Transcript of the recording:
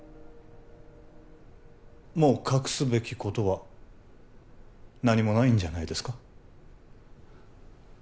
もう隠すべきことは何もないんじゃないですか？